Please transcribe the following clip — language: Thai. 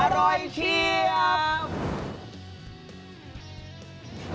อร่อยเชียบ